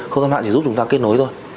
không gian mạng chỉ giúp chúng ta kết nối thôi